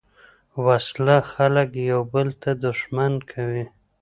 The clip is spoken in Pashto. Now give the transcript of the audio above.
وسله خلک یو بل ته دښمن کوي